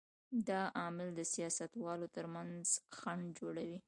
دا عامل د سیاستوالو تر منځ خنډ جوړوي.